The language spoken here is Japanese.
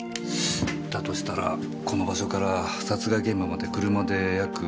だとしたらこの場所から殺害現場まで車で約２０分。